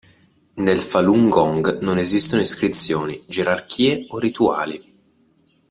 Nel Falun Gong non esistono iscrizioni, gerarchie o rituali.